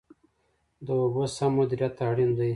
د اوبو سم مدیریت اړین دی